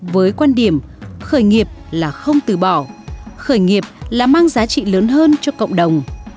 với quan điểm khởi nghiệp là không từ bỏ khởi nghiệp là mang giá trị lớn hơn cho cộng đồng